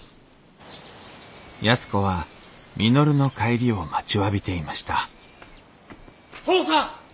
安子は稔の帰りを待ちわびていました・父さん！